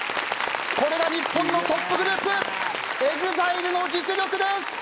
これが日本のトップグループＥＸＩＬＥの実力です。